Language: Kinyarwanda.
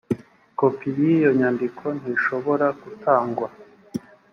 kopi yiyo nyandiko ntishobora gutangwa.